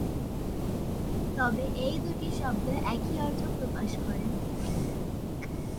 তবে এই দুটি শব্দ একই অর্থ প্রকাশ করে।